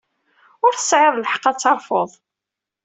Ur tesɛiḍ lḥeqq ad terfuḍ.